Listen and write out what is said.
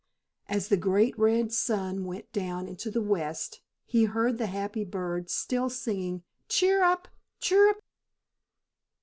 As the great red sun went down into the west, he heard the happy bird still singing "cheer up! chirrup!"